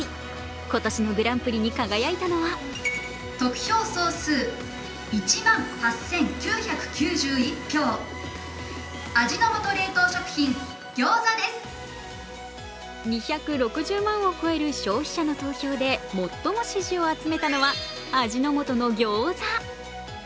今年のグランプリに輝いたのは２６０万を超える消費者の投票で最も支持を集めたのは味の素のギョーザ。